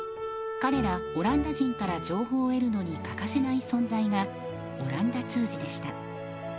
彼らオランダ人から情報を得るのに欠かせない存在がオランダ通詞でした。